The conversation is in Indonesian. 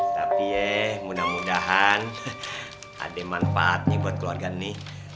tapi mudah mudahan ada manfaat buat keluarga ini